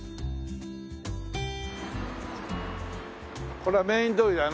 これはメイン通りだね。